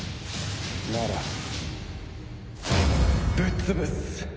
ならぶっ潰す！